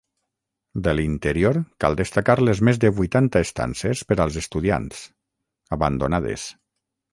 De l'interior cal destacar les més de vuitanta estances per als estudiants, abandonades.